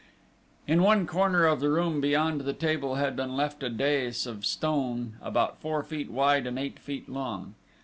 In one corner of the room beyond the table had been left a dais of stone about four feet wide and eight feet long.